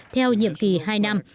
theo nhiệm kỳ hai năm